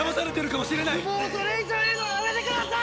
もうそれ以上言うのはやめて下さい！